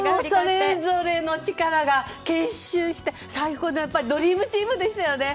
それぞれの力が結集して最高のドリームチームでしたよね。